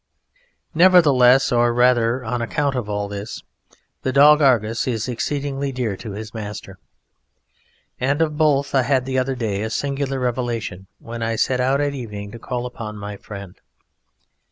Nevertheless, or, rather, on account of all this, the dog Argus is exceedingly dear to his master, and of both I had the other day a singular revelation when I set out at evening to call upon my friend.